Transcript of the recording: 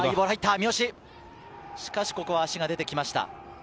三好、ここは足が出てきました。